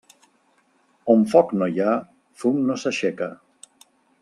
On foc no hi ha, fum no s'aixeca.